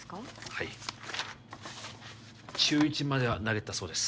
はい中１までは投げてたそうです